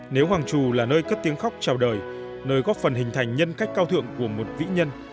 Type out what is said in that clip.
nếu hoàng trù là nơi cất tiếng khóc chào đời nơi góp phần hình thành nhân cách cao thượng của một vĩ nhân